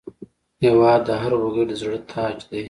هېواد د هر وګړي د زړه تاج دی.